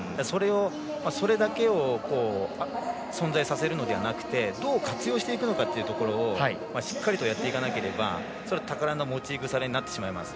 それだけを存在させるのではなくてどう活用していくのかというところをしっかりとやっていかなければ宝の持ち腐れになってしまいます。